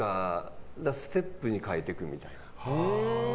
ステップに変えていくみたいな。